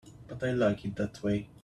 But I like it that way.